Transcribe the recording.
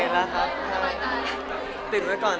โอเคแล้วครับติดไว้ก่อนติดไว้ก่อน